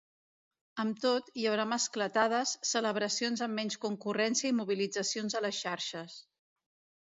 Amb tot, hi haurà mascletades, celebracions amb menys concurrència i mobilitzacions a les xarxes.